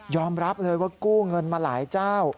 รับเลยว่ากู้เงินมาหลายเจ้า